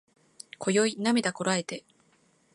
今宵涙こらえて